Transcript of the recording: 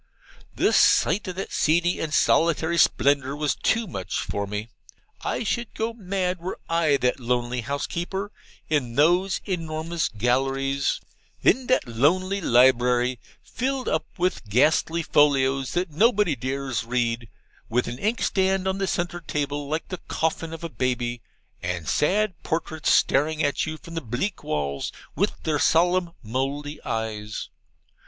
The sight of that seedy and solitary splendour was too much for me. I should go mad were I that lonely housekeeper in those enormous galleries in that lonely library, filled up with ghastly folios that nobody dares read, with an inkstand on the centre table like the coffin of a baby, and sad portraits staring at you from the bleak walls with their solemn Mouldy eyes.